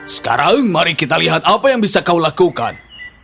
sekarang mari kita lihat apa yang bisa kau lakukan